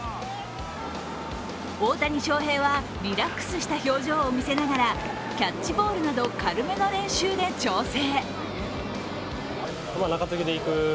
大谷翔平はリラックスした表情を見せながらキャッチボールなど軽めの練習で調整。